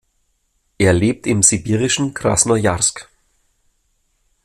Er lebt im sibirischen Krasnojarsk.